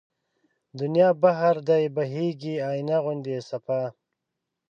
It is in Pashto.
دنيا بحر دی بهيږي آينه غوندې صفا